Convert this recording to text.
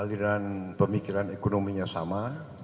aliran pemikiran ekonominya sama